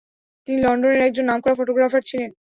তিনি লন্ডনের একজন নামকরা ফটোগ্রাফার ছিলেন।